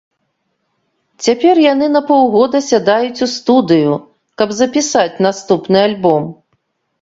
Цяпер яны на паўгода сядаюць у студыю, каб запісаць наступны альбом.